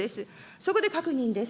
そこで確認です。